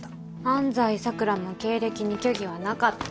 安西咲良も経歴に虚偽はなかった。